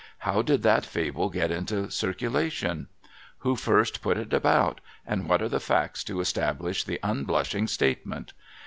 How did that fable get into circulation ? Who first put it about, and what are the facts to establish the unblushing state ment?